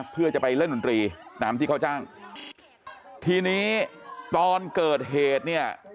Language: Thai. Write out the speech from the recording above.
เพื่อจะไปเล่นดนตรีตามที่เขาจ้างทีนี้ตอนเกิดเหตุเนี่ย